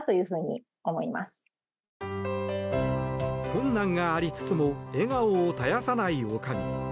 困難がありつつも笑顔を絶やさない女将。